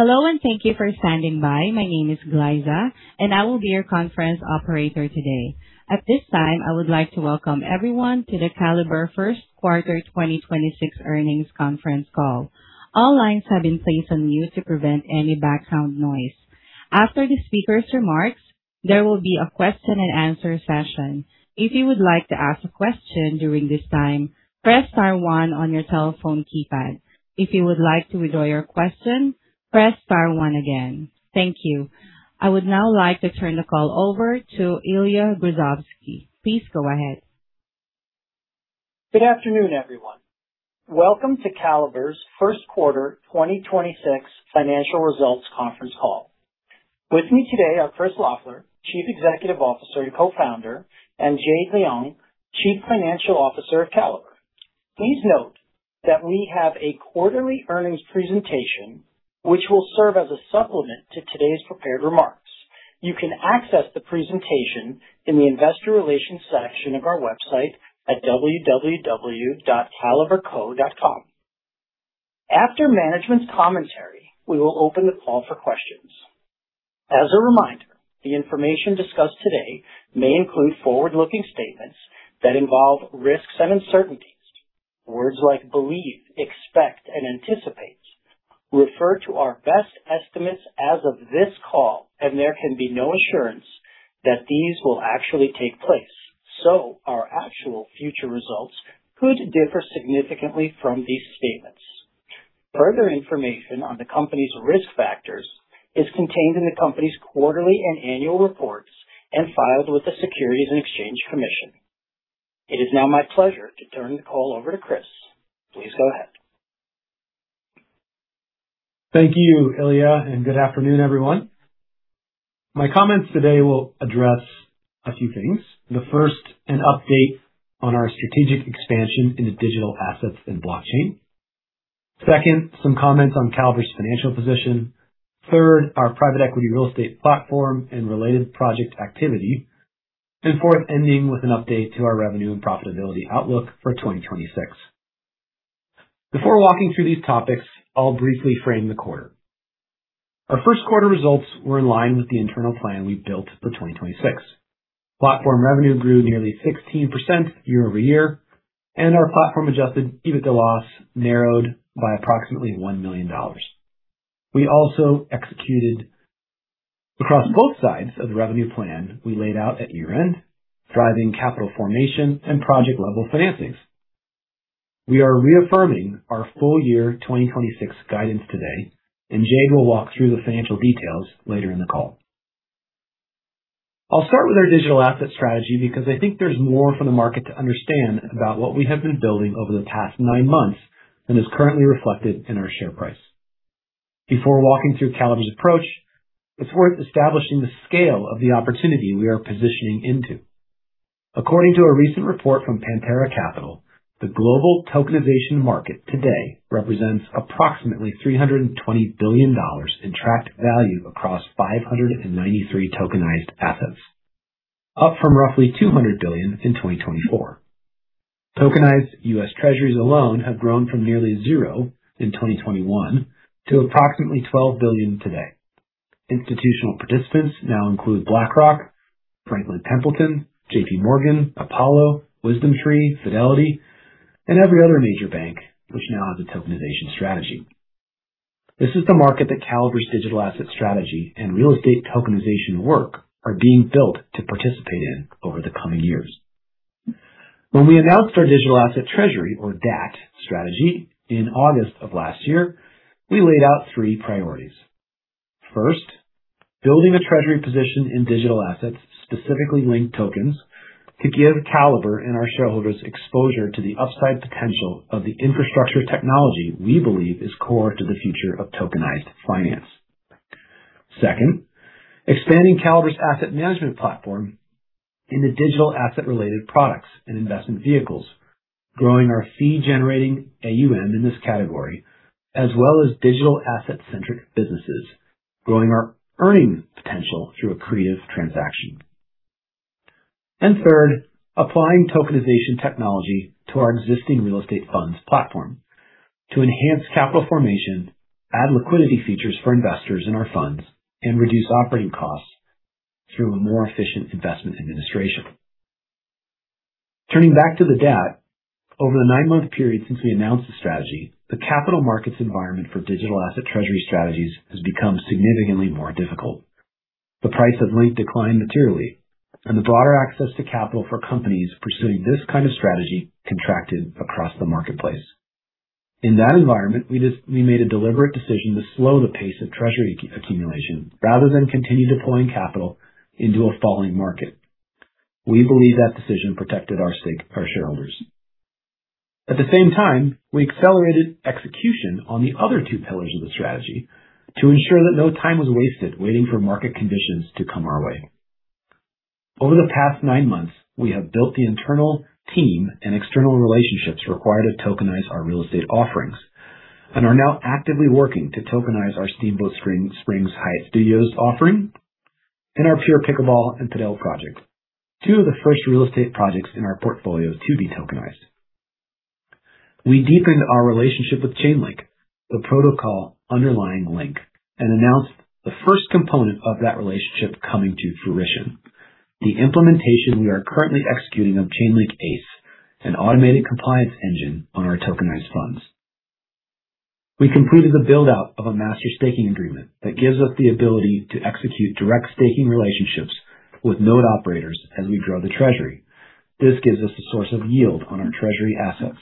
Hello, and thank you for standing by. My name is Gliza, and I will be your conference operator today. At this time, I would like to welcome everyone to the Caliber first quarter 2026 earnings conference call. All lines have been placed on mute to prevent any background noise. After the speaker's remarks, there will be a question and answer session. If you would like to ask a question during this time, press star one on your telephone keypad. If you would like to withdraw your question, press star one again. Thank you. I would now like to turn the call over to Ilya Grozovsky. Please go ahead. Good afternoon, everyone. Welcome to Caliber's first quarter 2026 financial results conference call. With me today are Chris Loeffler, Chief Executive Officer and Co-founder, and Jade Leung, Chief Financial Officer of Caliber. Please note that we have a quarterly earnings presentation which will serve as a supplement to today's prepared remarks. You can access the presentation in the investor relations section of our website at www.caliberco.com. After management's commentary, we will open the call for questions. As a reminder, the information discussed today may include forward-looking statements that involve risks and uncertainties. Words like believe, expect, and anticipate refer to our best estimates as of this call, and there can be no assurance that these will actually take place. Our actual future results could differ significantly from these statements. Further information on the company's risk factors is contained in the company's quarterly and annual reports, and filed with the Securities and Exchange Commission. It is now my pleasure to turn the call over to Chris. Please go ahead. Thank you, Ilya, and good afternoon, everyone. My comments today will address a few things. The first, an update on our strategic expansion into digital assets and blockchain. Second, some comments on Caliber's financial position. Third, our private equity real estate platform and related project activity. Fourth, ending with an update to our revenue and profitability outlook for 2026. Before walking through these topics, I'll briefly frame the quarter. Our first quarter results were in line with the internal plan we built for 2026. Platform revenue grew nearly 16% year-over-year, and our platform-adjusted EBITDA loss narrowed by approximately $1 million. We also executed across both sides of the revenue plan we laid out at year-end, driving capital formation and project-level financings. We are reaffirming our full year 2026 guidance today, and Jade will walk through the financial details later in the call. I'll start with our digital asset strategy because I think there's more for the market to understand about what we have been building over the past nine months and is currently reflected in our share price. Before walking through Caliber's approach, it's worth establishing the scale of the opportunity we are positioning into. According to a recent report from Pantera Capital, the global tokenization market today represents approximately $320 billion in tracked value across 593 tokenized assets, up from roughly $200 billion in 2024. Tokenized U.S. Treasuries alone have grown from nearly zero in 2021 to approximately $12 billion today. Institutional participants now include BlackRock, Franklin Templeton, JPMorgan, Apollo, WisdomTree, Fidelity, and every other major bank which now has a tokenization strategy. This is the market that Caliber's digital asset strategy and real estate tokenization work are being built to participate in over the coming years. When we announced our digital asset treasury, or DAT strategy in August of last year, we laid out three priorities. First, building a treasury position in digital assets, specifically LINK tokens, to give Caliber and our shareholders exposure to the upside potential of the infrastructure technology we believe is core to the future of tokenized finance. Second, expanding Caliber's asset management platform into digital asset-related products and investment vehicles, growing our fee-generating AUM in this category, as well as digital asset-centric businesses, growing our earning potential through accretive transaction. Third, applying tokenization technology to our existing real estate funds platform to enhance capital formation, add liquidity features for investors in our funds, and reduce operating costs through a more efficient investment administration. Turning back to the DAT. Over the nine-month period since we announced the strategy, the capital markets environment for digital asset treasury strategies has become significantly more difficult. The price of LINK declined materially, and the broader access to capital for companies pursuing this kind of strategy contracted across the marketplace. In that environment, we made a deliberate decision to slow the pace of treasury accumulation rather than continue deploying capital into a falling market. We believe that decision protected our stakeholders. At the same time, we accelerated execution on the other two pillars of the strategy to ensure that no time was wasted waiting for market conditions to come our way. Over the past nine months, we have built the internal team and external relationships required to tokenize our real estate offerings and are now actively working to tokenize our Steamboat Springs Hyatt Studios offering and our PURE Pickleball & Padel projects, two of the first real estate projects in our portfolio to be tokenized. We deepened our relationship with Chainlink, the protocol underlying LINK, and announced the first component of that relationship coming to fruition. The implementation we are currently executing of Chainlink ACE, an automated compliance engine on our tokenized funds. We completed the build-out of a master staking agreement that gives us the ability to execute direct staking relationships with node operators as we draw the treasury. This gives us a source of yield on our treasury assets.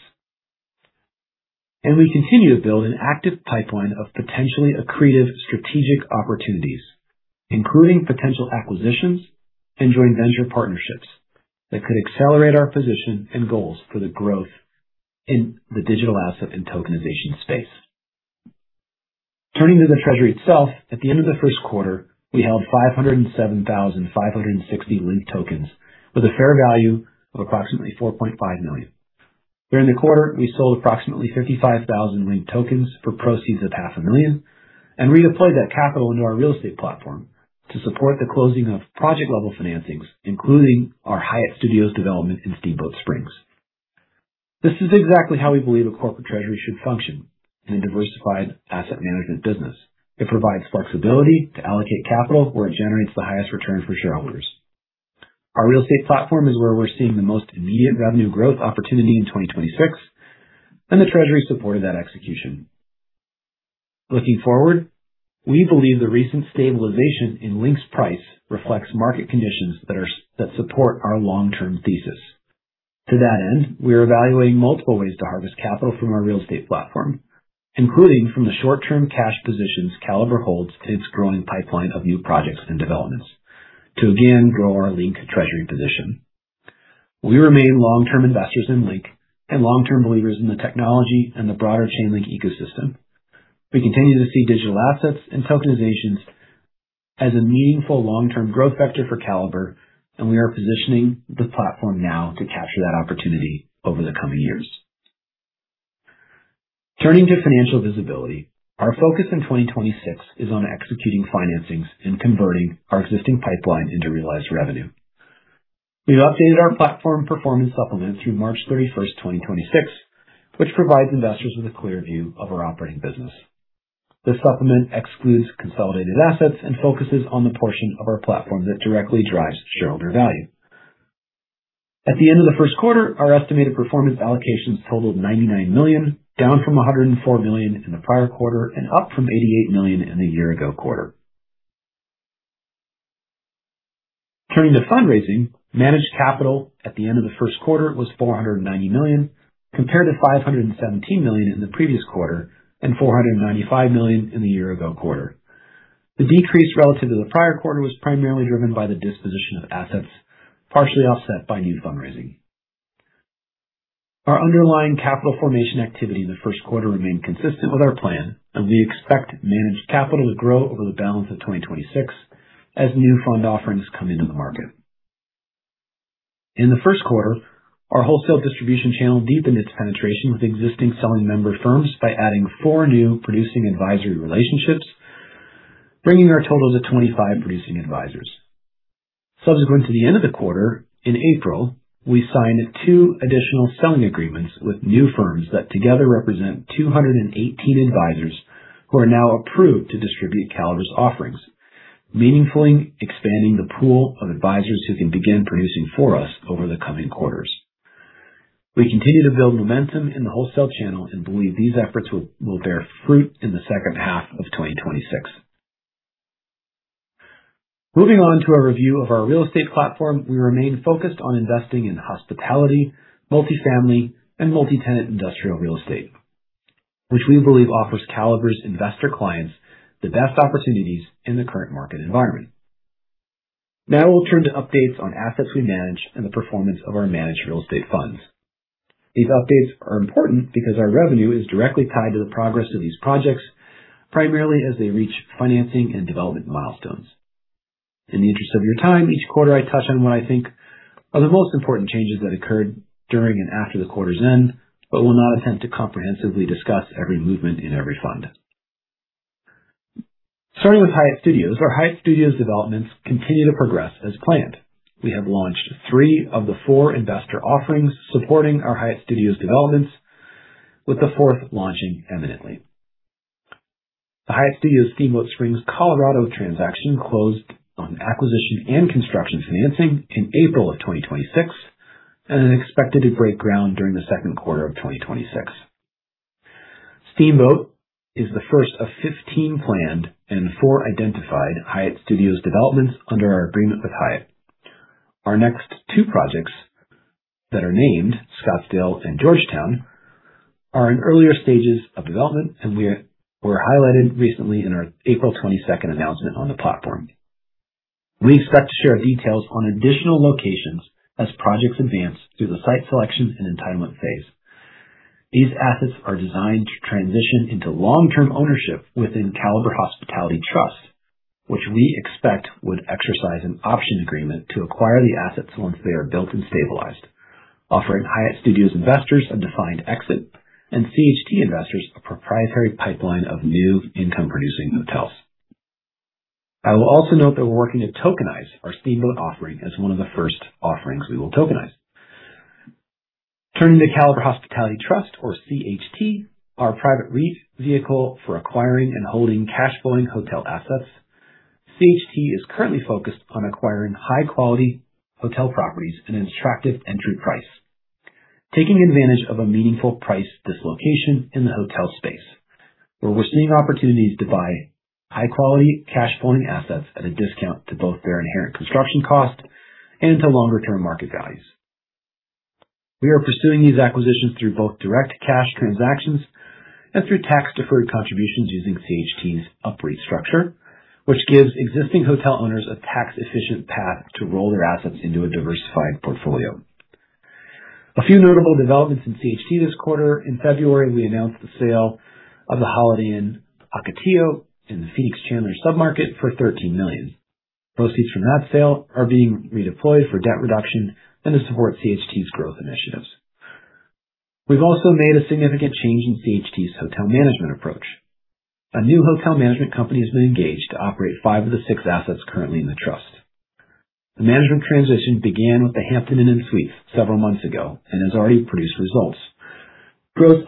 We continue to build an active pipeline of potentially accretive strategic opportunities, including potential acquisitions and joint venture partnerships that could accelerate our position and goals for the growth in the digital asset and tokenization space. Turning to the treasury itself, at the end of the first quarter, we held 507,560 LINK tokens with a fair value of approximately $4.5 million. During the quarter, we sold approximately 55,000 LINK tokens for proceeds of half a million and redeployed that capital into our real estate platform to support the closing of project-level financings, including our Hyatt Studios development in Steamboat Springs. This is exactly how we believe a corporate treasury should function in a diversified asset management business. It provides flexibility to allocate capital where it generates the highest return for shareholders. Our real estate platform is where we're seeing the most immediate revenue growth opportunity in 2026, the treasury supported that execution. Looking forward, we believe the recent stabilization in LINK's price reflects market conditions that support our long-term thesis. To that end, we are evaluating multiple ways to harvest capital from our real estate platform, including from the short-term cash positions Caliber holds to its growing pipeline of new projects and developments, to again grow our LINK treasury position. We remain long-term investors in LINK and long-term believers in the technology and the broader Chainlink ecosystem. We continue to see digital assets and tokenization as a meaningful long-term growth vector for Caliber, and we are positioning the platform now to capture that opportunity over the coming years. Turning to financial visibility, our focus in 2026 is on executing financings and converting our existing pipeline into realized revenue. We've updated our platform performance supplement through March 31, 2026, which provides investors with a clear view of our operating business. This supplement excludes consolidated assets and focuses on the portion of our platform that directly drives shareholder value. At the end of the first quarter, our estimated performance allocations totaled $99 million, down from $104 million in the prior quarter and up from $88 million in the year-ago quarter. Turning to fundraising, managed capital at the end of the first quarter was $490 million, compared to $517 million in the previous quarter and $495 million in the year-ago quarter. The decrease relative to the prior quarter was primarily driven by the disposition of assets, partially offset by new fundraising. Our underlying capital formation activity in the first quarter remained consistent with our plan, we expect managed capital to grow over the balance of 2026 as new fund offerings come into the market. In the first quarter, our wholesale distribution channel deepened its penetration with existing selling member firms by adding four new producing advisory relationships, bringing our total to 25 producing advisors. Subsequent to the end of the quarter, in April, we signed two additional selling agreements with new firms that together represent 218 advisors who are now approved to distribute Caliber's offerings, meaningfully expanding the pool of advisors who can begin producing for us over the coming quarters. We continue to build momentum in the wholesale channel and believe these efforts will bear fruit in the second half of 2026. Moving on to a review of our real estate platform, we remain focused on investing in hospitality, multifamily, and multi-tenant industrial real estate, which we believe offers Caliber's investor clients the best opportunities in the current market environment. Now we'll turn to updates on assets we manage and the performance of our managed real estate funds. These updates are important because our revenue is directly tied to the progress of these projects, primarily as they reach financing and development milestones. In the interest of your time, each quarter I touch on what I think are the most important changes that occurred during and after the quarter's end, but will not attempt to comprehensively discuss every movement in every fund. Starting with Hyatt Studios. Our Hyatt Studios developments continue to progress as planned. We have launched three of the four investor offerings supporting our Hyatt Studios developments, with the fourth launching imminently. The Hyatt Studios Steamboat Springs, Colorado transaction closed on acquisition and construction financing in April of 2026 and is expected to break ground during the second quarter of 2026. Steamboat is the first of 15 planned and four identified Hyatt Studios developments under our agreement with Hyatt. Our next two projects that are named, Scottsdale and Georgetown, are in earlier stages of development and were highlighted recently in our April 22nd announcement on the platform. We expect to share details on additional locations as projects advance through the site selections and entitlement phase. These assets are designed to transition into long-term ownership within Caliber Hospitality Trust, which we expect would exercise an option agreement to acquire the assets once they are built and stabilized, offering Hyatt Studios investors a defined exit and CHT investors a proprietary pipeline of new income-producing hotels. I will also note that we're working to tokenize our Steamboat offering as one of the first offerings we will tokenize. Turning to Caliber Hospitality Trust, or CHT, our private REIT vehicle for acquiring and holding cash flowing hotel assets. CHT is currently focused on acquiring high-quality hotel properties at an attractive entry price, taking advantage of a meaningful price dislocation in the hotel space, where we're seeing opportunities to buy high-quality cash flowing assets at a discount to both their inherent construction cost and to longer term market values. We are pursuing these acquisitions through both direct cash transactions and through tax-deferred contributions using CHT's UPREIT structure, which gives existing hotel owners a tax-efficient path to roll their assets into a diversified portfolio. A few notable developments in CHT this quarter. In February, we announced the sale of the Holiday Inn Ocotillo in the Phoenix Chandler submarket for $13 million. Proceeds from that sale are being redeployed for debt reduction and to support CHT's growth initiatives. We've also made a significant change in CHT's hotel management approach. A new hotel management company has been engaged to operate five of the six assets currently in the trust. The management transition began with the Hampton Inn & Suites several months ago and has already produced results. Growth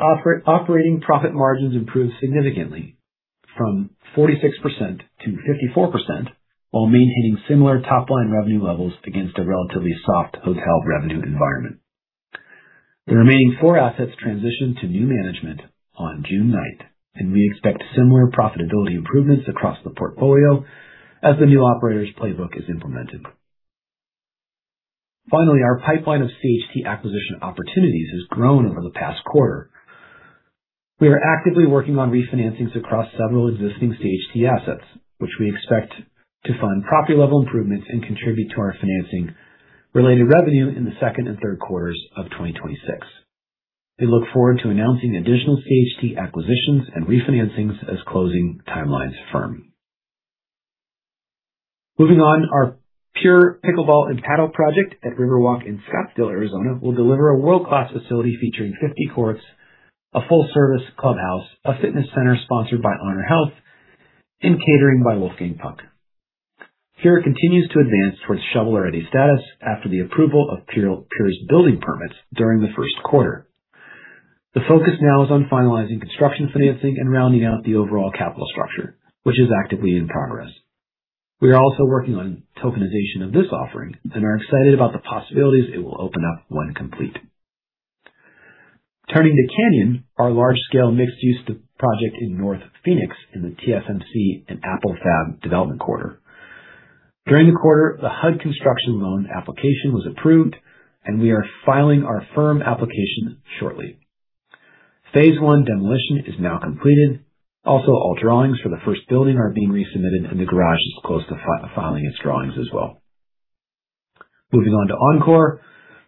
operating profit margins improved significantly from 46% to 54% while maintaining similar top-line revenue levels against a relatively soft hotel revenue environment. The remaining four assets transitioned to new management on June ninth, and we expect similar profitability improvements across the portfolio as the new operator's playbook is implemented. Our pipeline of CHT acquisition opportunities has grown over the past quarter. We are actively working on refinancings across several existing CHT assets, which we expect to fund property-level improvements and contribute to our financing-related revenue in the second and third quarters of 2026. We look forward to announcing additional CHT acquisitions and refinancings as closing timelines firm. Moving on, our PURE Pickleball & Padel project at River Walk in Scottsdale, Arizona, will deliver a world-class facility featuring 50 courts, a full-service clubhouse, a fitness center sponsored by HonorHealth, and catering by Wolfgang Puck. PURE continues to advance towards shovel-ready status after the approval of PURE's building permits during the first quarter. The focus now is on finalizing construction financing and rounding out the overall capital structure, which is actively in progress. We are also working on tokenization of this offering and are excited about the possibilities it will open up when complete. Turning to Canyon, our large-scale mixed-use project in North Phoenix in the TSMC and Apple Fab development corridor. During the quarter, the HUD construction loan application was approved, and we are filing our firm application shortly. Phase 1 demolition is now completed. All drawings for the first building are being resubmitted, and the garage is close to filing its drawings as well. Moving on to Encore.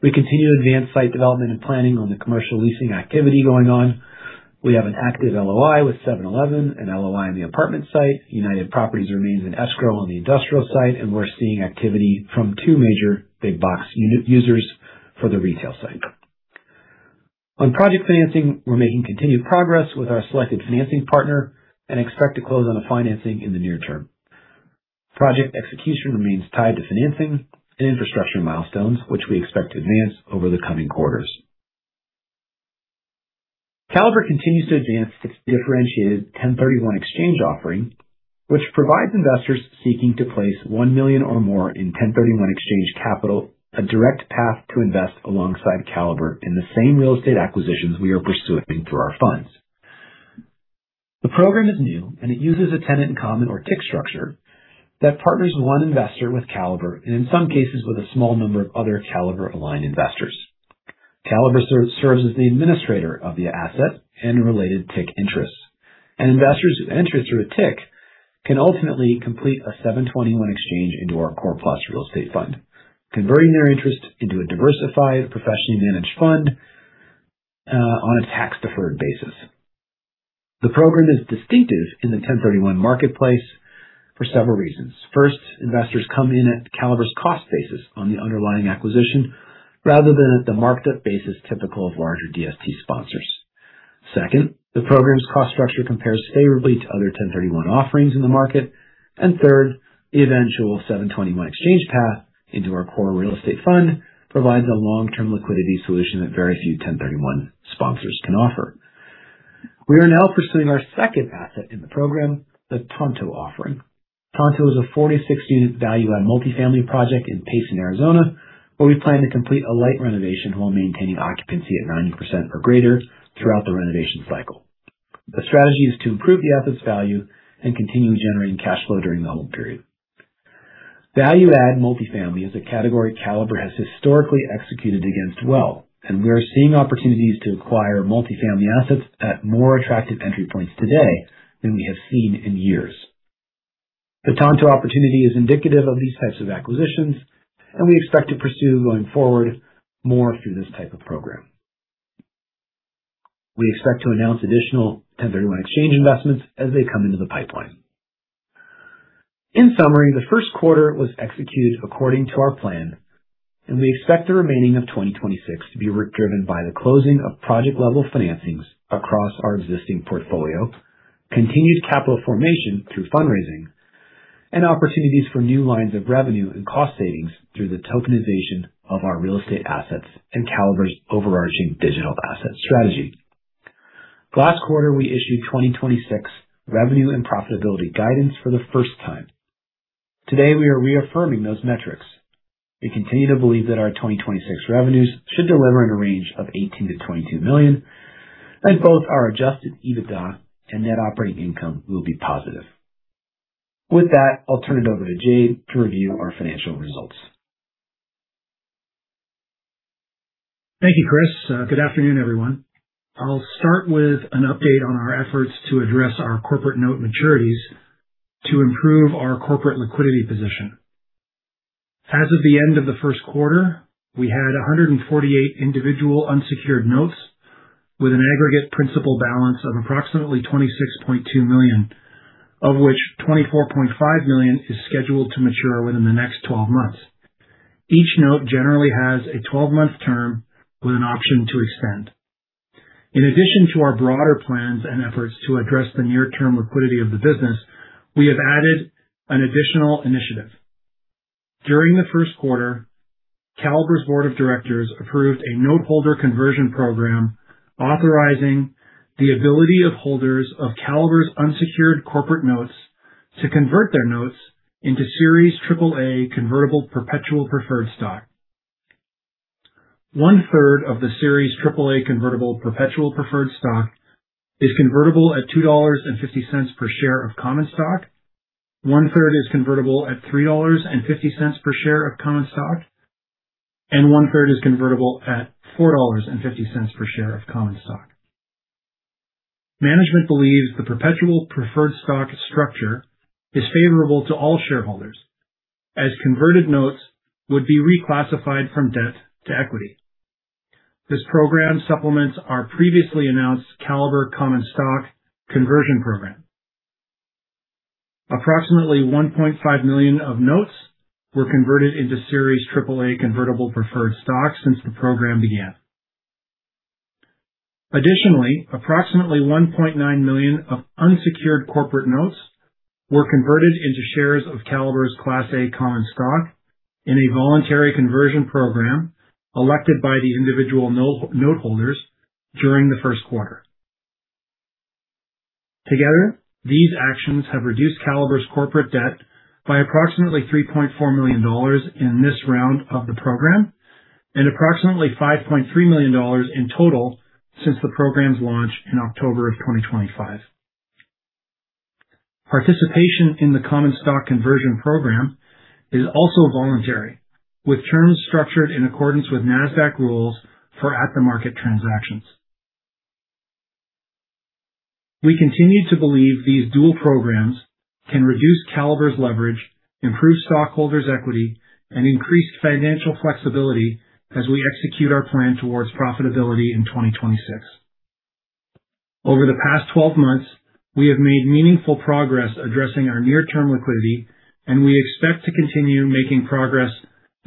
We continue to advance site development and planning on the commercial leasing activity going on. We have an active LOI with 7-Eleven, an LOI on the apartment site. United Properties remains in escrow on the industrial site. We're seeing activity from two major big box unit users for the retail site. On project financing, we're making continued progress with our selected financing partner and expect to close on the financing in the near term. Project execution remains tied to financing and infrastructure milestones, which we expect to advance over the coming quarters. Caliber continues to advance its differentiated 1031 exchange offering, which provides investors seeking to place $1 million or more in 1031 exchange capital, a direct path to invest alongside Caliber in the same real estate acquisitions we are pursuing through our funds. The program is new. It uses a tenant in common or TIC structure that partners one investor with Caliber and in some cases, with a small number of other Caliber-aligned investors. Caliber serves as the administrator of the asset and related TIC interests. Investors who enter through a TIC can ultimately complete a 721 exchange into our Core+ Growth & Income Fund, converting their interest into a diversified, professionally managed fund on a tax-deferred basis. The program is distinctive in the 1031 marketplace for several reasons. First, investors come in at Caliber's cost basis on the underlying acquisition rather than at the marked-up basis typical of larger DST sponsors. Second, the program's cost structure compares favorably to other 1031 offerings in the market. Third, the eventual 721 exchange path into our Core+ Growth & Income Fund provides a long-term liquidity solution that very few 1031 sponsors can offer. We are now pursuing our second asset in the program, the Tonto offering. Tonto is a 40-60-unit value-add multifamily project in Payson, Arizona, where we plan to complete a light renovation while maintaining occupancy at 90% or greater throughout the renovation cycle. The strategy is to improve the asset's value and continue generating cash flow during the hold period. Value-add multifamily is a category Caliber has historically executed against well, and we are seeing opportunities to acquire multifamily assets at more attractive entry points today than we have seen in years. The Tonto opportunity is indicative of these types of acquisitions, and we expect to pursue going forward more through this type of program. We expect to announce additional 1031 exchange investments as they come into the pipeline. In summary, the first quarter was executed according to our plan. We expect the remaining of 2026 to be driven by the closing of project-level financings across our existing portfolio, continued capital formation through fundraising, and opportunities for new lines of revenue and cost savings through the tokenization of our real estate assets and Caliber's overarching digital asset strategy. Last quarter, we issued 2026 revenue and profitability guidance for the first time. Today, we are reaffirming those metrics. We continue to believe that our 2026 revenues should deliver in a range of $18 million-$22 million, and both our adjusted EBITDA and net operating income will be positive. With that, I'll turn it over to Jade to review our financial results. Thank you, Chris. Good afternoon, everyone. I'll start with an update on our efforts to address our corporate note maturities to improve our corporate liquidity position. As of the end of the first quarter, we had 148 individual unsecured notes with an aggregate principal balance of approximately $26.2 million, of which $24.5 million is scheduled to mature within the next 12 months. Each note generally has a 12-month term with an option to extend. In addition to our broader plans and efforts to address the near-term liquidity of the business, we have added an additional initiative. During the first quarter, Caliber's board of directors approved a noteholder conversion program authorizing the ability of holders of Caliber's unsecured corporate notes to convert their notes into Series AA Cumulative Redeemable Preferred Stock. One-third of the Series AA Cumulative Redeemable Preferred Stock is convertible at $2.50 per share of common stock, one-third is convertible at $3.50 per share of common stock, and one-third is convertible at $4.50 per share of common stock. Management believes the perpetual preferred stock structure is favorable to all shareholders as converted notes would be reclassified from debt to equity. This program supplements our previously announced Caliber common stock conversion program. Approximately $1.5 million of notes were converted into Series AA Cumulative Redeemable Preferred Stock since the program began. Additionally, approximately $1.9 million of unsecured corporate notes were converted into shares of Caliber's Class A common stock in a voluntary conversion program elected by the individual noteholders during the first quarter. Together, these actions have reduced Caliber's corporate debt by approximately $3.4 million in this round of the program and approximately $5.3 million in total since the program's launch in October of 2025. Participation in the common stock conversion program is also voluntary, with terms structured in accordance with Nasdaq rules for at-the-market transactions. We continue to believe these dual programs can reduce Caliber's leverage, improve stockholders' equity, and increase financial flexibility as we execute our plan towards profitability in 2026. Over the past 12 months, we have made meaningful progress addressing our near-term liquidity, and we expect to continue making progress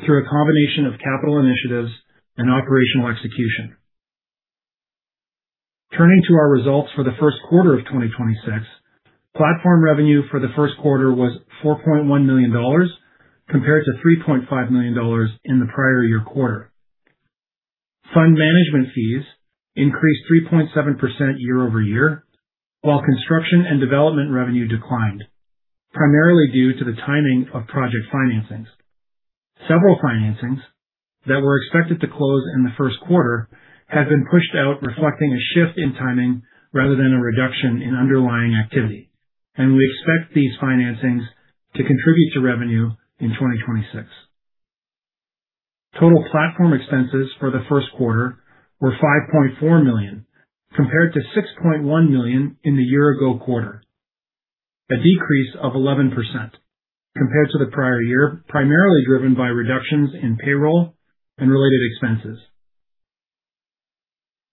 through a combination of capital initiatives and operational execution. Turning to our results for the first quarter of 2026, platform revenue for the first quarter was $4.1 million, compared to $3.5 million in the prior year quarter. Fund management fees increased 3.7% year-over-year, while construction and development revenue declined, primarily due to the timing of project financings. Several financings that were expected to close in the first quarter have been pushed out, reflecting a shift in timing rather than a reduction in underlying activity, and we expect these financings to contribute to revenue in 2026. Total platform expenses for the first quarter were $5.4 million, compared to $6.1 million in the year-ago quarter. A decrease of 11% compared to the prior year, primarily driven by reductions in payroll and related expenses.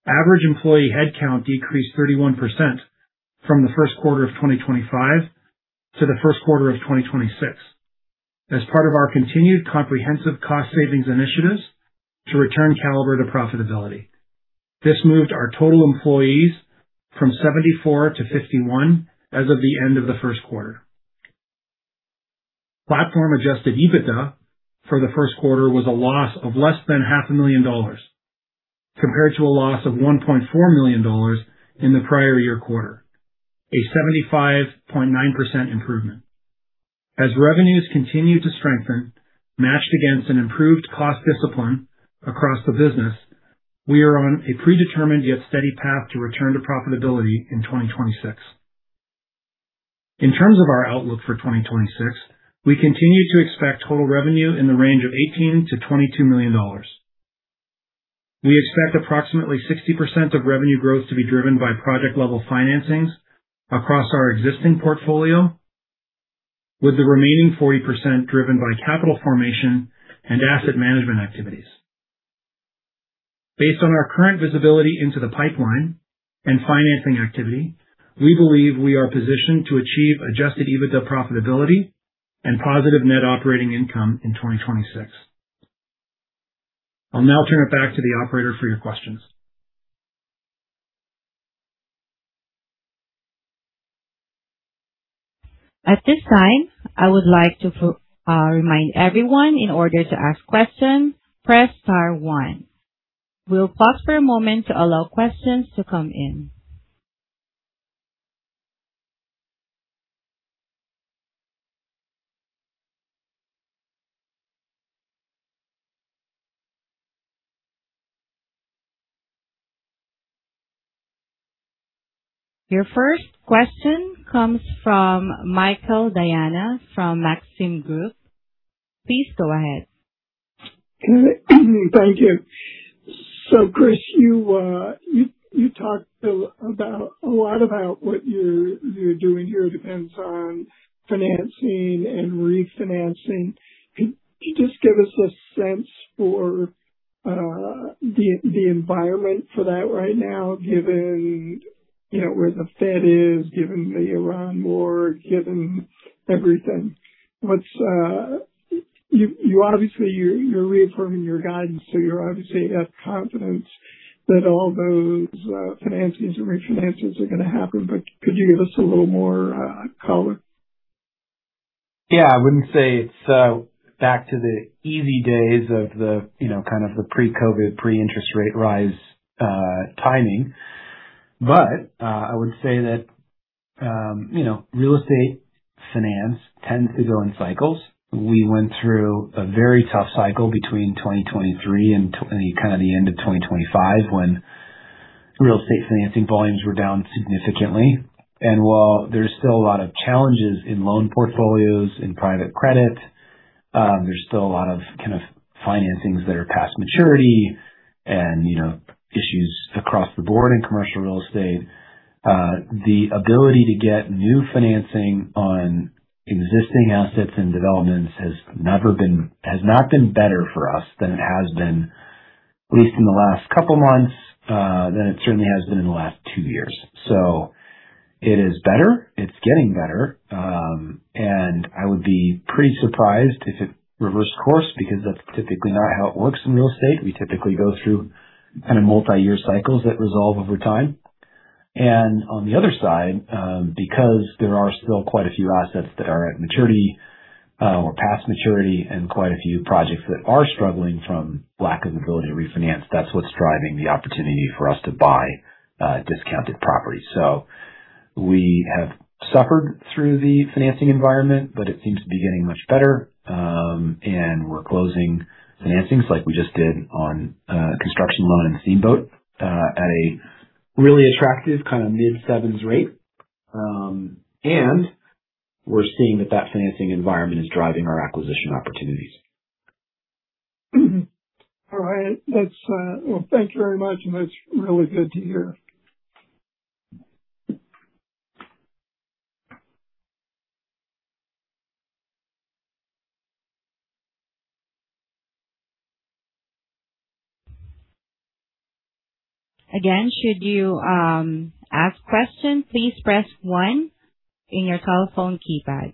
Average employee headcount decreased 31% from the first quarter of 2025 to the first quarter of 2026 as part of our continued comprehensive cost savings initiatives to return Caliber to profitability. This moved our total employees from 74 to 51 as of the end of the first quarter. Platform adjusted EBITDA for the first quarter was a loss of less than half a million dollars, compared to a loss of $1.4 million in the prior year quarter, a 75.9% improvement. As revenues continue to strengthen, matched against an improved cost discipline across the business, we are on a predetermined yet steady path to return to profitability in 2026. In terms of our outlook for 2026, we continue to expect total revenue in the range of $18 million-$22 million. We expect approximately 60% of revenue growth to be driven by project-level financings across our existing portfolio, with the remaining 40% driven by capital formation and asset management activities. Based on our current visibility into the pipeline and financing activity, we believe we are positioned to achieve adjusted EBITDA profitability and positive net operating income in 2026. I'll now turn it back to the operator for your questions. At this time, I would like to remind everyone in order to ask questions, press star one. We'll pause for a moment to allow questions to come in. Your first question comes from Michael Diana from Maxim Group. Please go ahead. Thank you. Chris, you talked a lot about what you're doing here depends on financing and refinancing. Could you just give us a sense for the environment for that right now, given where the Fed is, given the Iran war, given everything. You're reaffirming your guidance, you obviously have confidence that all those financings and refinances are going to happen. Could you give us a little more color? Yeah. I wouldn't say it's back to the easy days of the pre-COVID, pre-interest rate rise timing. I would say that real estate finance tends to go in cycles. We went through a very tough cycle between 2023 and the end of 2025 when real estate financing volumes were down significantly. While there's still a lot of challenges in loan portfolios, in private credit, there's still a lot of financings that are past maturity and issues across the board in commercial real estate. The ability to get new financing on existing assets and developments has not been better for us than it has been, at least in the last couple of months, than it certainly has been in the last two years. It is better. It's getting better. I would be pretty surprised if it reversed course because that's typically not how it works in real estate. We typically go through kind of multi-year cycles that resolve over time. On the other side, because there are still quite a few assets that are at maturity or past maturity and quite a few projects that are struggling from lack of ability to refinance, that's what's driving the opportunity for us to buy discounted property. We have suffered through the financing environment, it seems to be getting much better. We're closing financings like we just did on a construction loan in Steamboat at a really attractive kind of mid-sevens rate. We're seeing that financing environment is driving our acquisition opportunities. All right. Well, thank you very much, and that's really good to hear. Again, should you ask questions, please press one in your telephone keypad.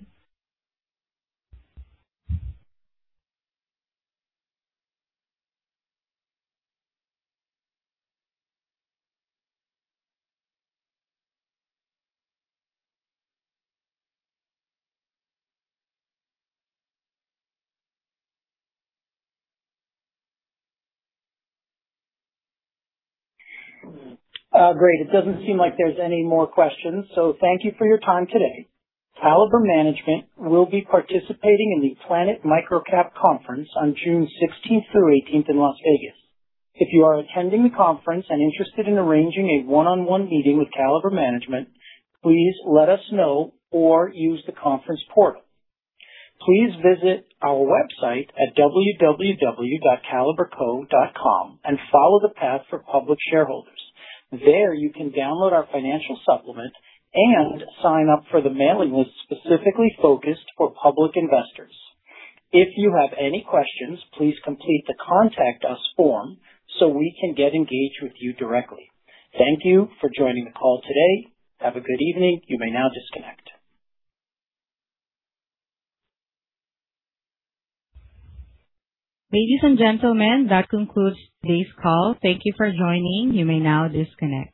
Great. It doesn't seem like there's any more questions. Thank you for your time today. Caliber Management will be participating in the Planet MicroCap Conference on June 16th through 18th in Las Vegas. If you are attending the conference and interested in arranging a one-on-one meeting with Caliber Management, please let us know or use the conference portal. Please visit our website at www.caliberco.com and follow the path for public shareholders. There you can download our financial supplement and sign up for the mailing list specifically focused for public investors. If you have any questions, please complete the Contact Us form. We can get engaged with you directly. Thank you for joining the call today. Have a good evening. You may now disconnect. Ladies and gentlemen, that concludes today's call. Thank you for joining. You may now disconnect.